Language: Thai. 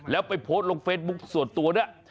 แล้วไปโพสต์ลงเฟซบุ๊คส่วนตัวด้วย